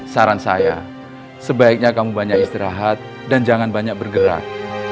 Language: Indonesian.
saran saya sebaiknya kamu banyak istirahat dan jangan banyak bergerak